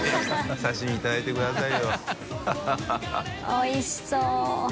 おいしそう。